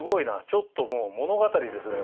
ちょっともう物語ですね